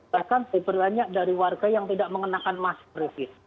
bahkan diperlukan dari warga yang tidak mengenakan mask revie